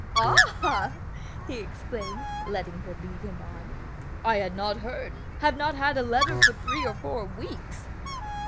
"Ah!" he exclaimed, letting her lead him on. "I had not heard, have not had a letter for three or four weeks."